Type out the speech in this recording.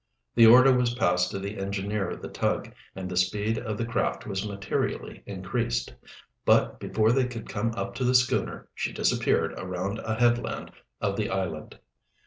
The order was passed to the engineer of the tug, and the speed of the craft was materially increased. But before they could come up to the schooner she disappeared around a headland of the island.